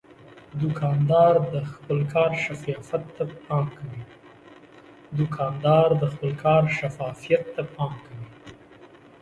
دوکاندار د خپل کار شفافیت ته پام کوي.